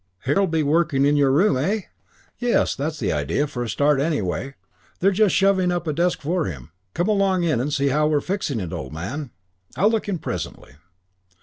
"Harold be working in your room, eh?" "Yes, that's the idea, for a start, anyway. They're just shoving up a desk for him. Come along in and see how we're fixing it, old man." "I'll look in presently."